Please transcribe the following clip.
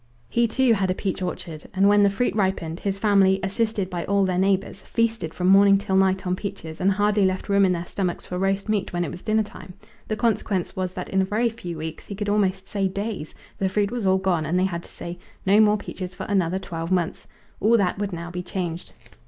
He, too, had a peach orchard, and when the fruit ripened his family, assisted by all their neighbours, feasted from morning till night on peaches, and hardly left room in their stomachs for roast meat when it was dinner time. The consequence was that in a very few weeks he could almost say days the fruit was all gone, and they had to say, "No more peaches for another twelve months!" All that would now be changed.